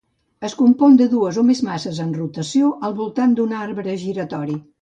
Es compon de dues o més masses en rotació al voltant d'un arbre giratori.